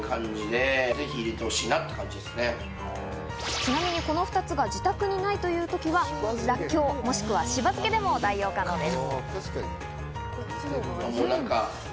ちなみにこの２つが自宅にいないというときはらっきょう、もしくはしば漬けでも代用可能です。